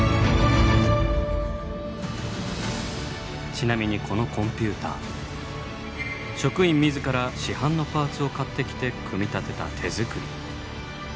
ちなみにこのコンピューター職員自ら市販のパーツを買ってきて組み立てた手作り。